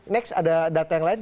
next ada data yang lain